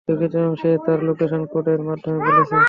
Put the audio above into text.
দুঃখিত ম্যাম সে তার লোকেশন কোড এর মাধ্যমে বলেছে।